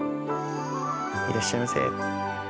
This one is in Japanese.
いらっしゃいませ。